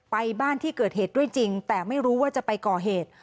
บ้านที่เกิดเหตุด้วยจริงแต่ไม่รู้ว่าจะไปก่อเหตุ